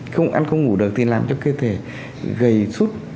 không ăn không ngủ được thì làm cho cơ thể gầy sút